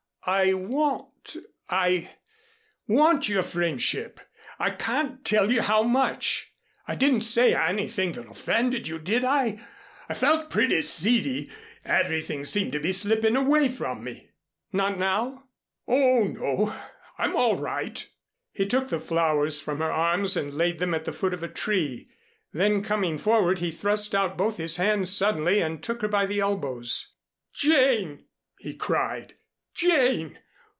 "I want I want your friendship. I can't tell you how much. I didn't say anything that offended you, did I? I felt pretty seedy. Everything seemed to be slipping away from me." "Not now?" "Oh, no. I'm all right." He took the flowers from her arms and laid them at the foot of a tree. Then coming forward he thrust out both his hands suddenly and took her by the elbows. "Jane!" he cried, "Jane!